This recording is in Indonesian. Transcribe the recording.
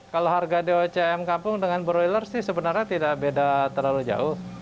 kalau harga doc ayam kampung dengan broiler sih sebenarnya tidak beda terlalu jauh